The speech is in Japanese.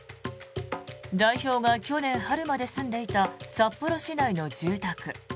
代表が去年春まで住んでいた札幌市内の住宅。